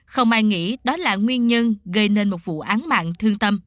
không ai nghĩ đó là nguyên nhân gây nên một vụ án mạng thương tâm